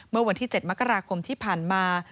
เมื่อวันที่๗มกราคมที่ผ่านมา